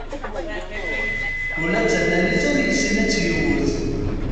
Ula d tanalit ur yessin ad tt-yewwet.